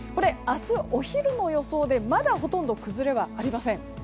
明日、お昼の予想でまだほとんど崩れはありません。